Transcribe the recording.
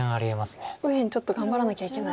右辺ちょっと頑張らなきゃいけない。